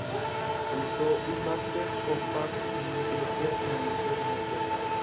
Realizó un Master of Arts en Museología en la Universidad de Nueva York.